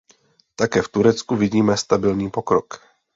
Také v Turecku vidíme stabilní pokrok.